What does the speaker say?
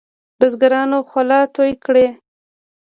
بزګرانو خوله توی کړې.